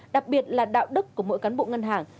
đặc biệt là đạo đức của mỗi cán bộ ngân hàng